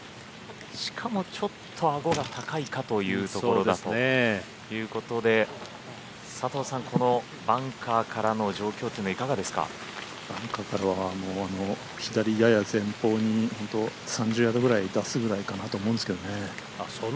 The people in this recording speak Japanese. しかも、ちょっとアゴが高いかというところだということで佐藤さん、このバンカーからの状況というのはバンカーからは左やや前方にほんと、３０ヤードぐらい出すぐらいかなと思うんですけどね。